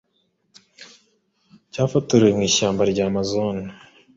cyafotorewe mu ishyamba ry’ amazon